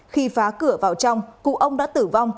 khi phá cửa vào trong cụ ông đã tử vong